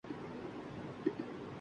اچھا جی